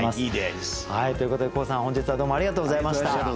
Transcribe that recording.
ということで黄さん本日はどうもありがとうございました。